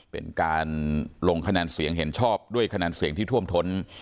เป็นการลงคะแนนเสียงเห็นชอบด้วยคะแนนเสียงที่ท่วมท้น